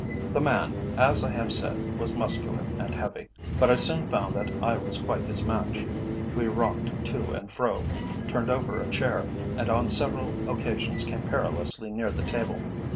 The man, as I have said, was muscular and heavy, but I soon found that I was quite his match. We rocked to and fro, turned over a chair, and on several occasions came perilously near the table.